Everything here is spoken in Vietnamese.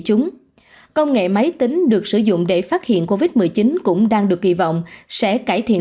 chúng công nghệ máy tính được sử dụng để phát hiện covid một mươi chín cũng đang được kỳ vọng sẽ cải thiện